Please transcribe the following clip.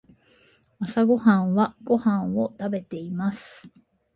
朝ごはんはご飯を食べています。